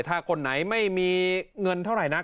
ถ้าคนไหนไม่มีเงินเท่าไหร่นัก